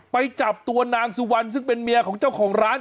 ไปจับตัวนางสุวรรณซึ่งเป็นเมียของเจ้าของร้าน